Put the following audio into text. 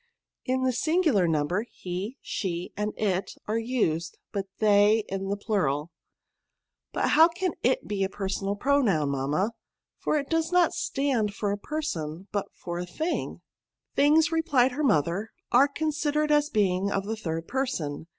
In the singular number, Ae, shey and ity are used, and they in the plural.*' " But how can i^ be a personal pronoun, notamma ; for it does not stand for a person, but for a thing?" " Things," replied her mother, are con sidered as being of the third person.